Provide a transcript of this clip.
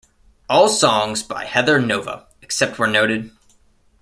All songs by Heather Nova, except where noted.